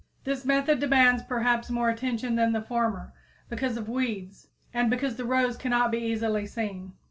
This method demands perhaps more attention than the former, because of weeds and because the rows cannot be easily seen.